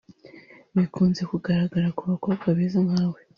Bikunze kugaragara ku bakobwa beza nkawe